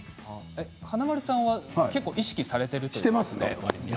華丸さんは結構意識されているんですか。